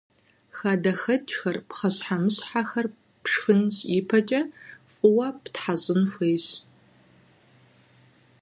ХадэхэкӀхэр, пхъэщхьэмыщхьэхэр пшхын ипэкӀэ фӀыуэ птхьэщӀын хуейщ.